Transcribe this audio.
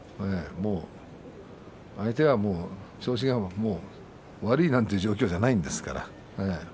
相手は調子が悪いなんていう状況じゃないんですから。